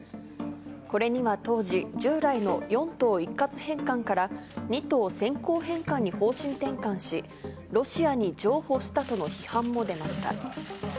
これには当時、従来の四島一括返還から二島先行返還に方針転換し、ロシアに譲歩したとの批判も出ました。